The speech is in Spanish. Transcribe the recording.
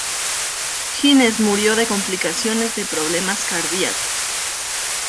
Hines murió de complicaciones de problemas cardiacos.